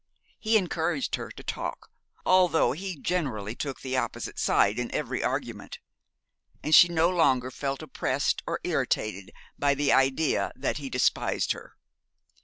He encouraged her to talk, although he generally took the opposite side in every argument; and she no longer felt oppressed or irritated by the idea that he despised her.